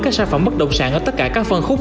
các sản phẩm bất động sản ở tất cả các phân khúc